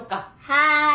はい。